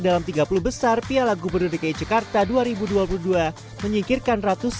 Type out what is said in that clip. ia wasari lihat